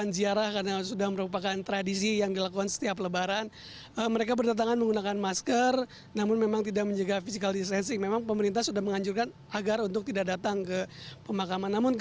jalan asia afrika